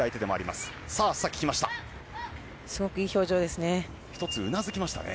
すごくいい表情ですね。